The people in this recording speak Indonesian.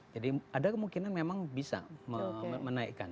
jadi ada kemungkinan memang bisa menaikkan